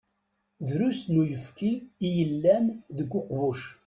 Drusn uyefki i yellan deg uqbuc.